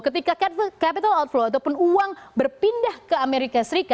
ketika capital outflow ataupun uang berpindah ke as